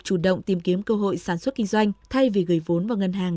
chủ động tìm kiếm cơ hội sản xuất kinh doanh thay vì gửi vốn vào ngân hàng